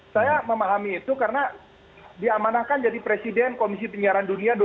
saya memahami itu karena diamanahkan jadi presiden komisi penyiaran dunia